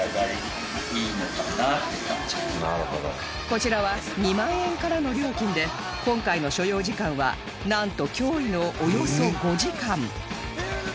こちらは２万円からの料金で今回の所要時間はなんと驚異のおよそ５時間